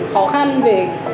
khó khăn về